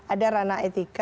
ada ranah etika